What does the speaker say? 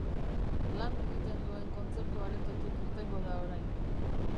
Lan egiten duen kontzertu aretotik irtengo da orain.